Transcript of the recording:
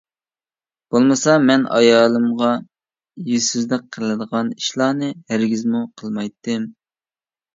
بولمىسا مەن ئايالىمغا يۈزسىزلىك قىلىدىغان ئىشلارنى ھەرگىزمۇ قىلمايتتىم.